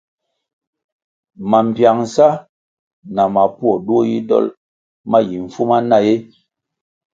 Mambpiangsa na mapuo duo yi dol ma yi mfumana ee ?